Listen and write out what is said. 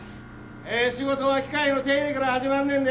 ええ仕事は機械の手入れから始まんねんで！